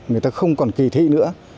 người ta không còn kỳ thị nữa